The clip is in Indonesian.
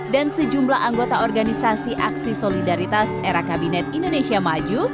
dan sejumlah anggota organisasi aksi solidaritas era kabinet indonesia maju